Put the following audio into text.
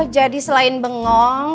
jadi selain bengong